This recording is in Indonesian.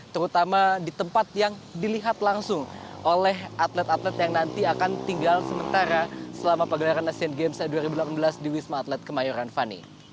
terutama di tempat yang dilihat langsung oleh atlet atlet yang nanti akan tinggal sementara selama pegelaran asian games dua ribu delapan belas di wisma atlet kemayoran fani